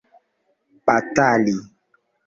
batali